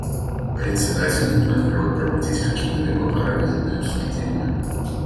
Председатель не планирует проводить какие-либо параллельные обсуждения.